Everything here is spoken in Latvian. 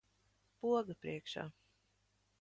Poga priekšā.